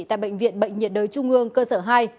tại bệnh viện bệnh nhiệt đới trung ương cơ sở hai